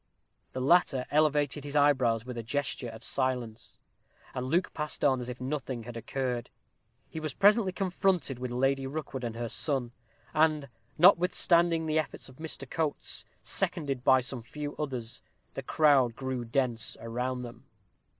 The latter elevated his eyebrows with a gesture of silence, and Luke passed on as if nothing had occurred. He was presently confronted with Lady Rookwood and her son; and, notwithstanding the efforts of Mr. Coates, seconded by some few others, the crowd grew dense around them.